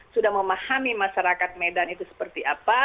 sudah memahami masyarakat medan itu seperti apa